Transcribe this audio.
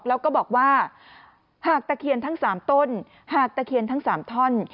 แล้วก็บอกว่าหากตะเคียนทั้ง๓ต้นหากตะเคียนทั้ง๓ท่อน